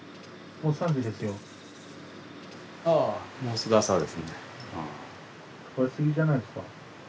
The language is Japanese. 飛ばしすぎじゃないですか？